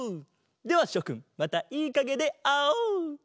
ではしょくんまたいいかげであおう！